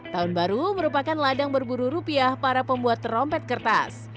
tahun baru merupakan ladang berburu rupiah para pembuat trompet kertas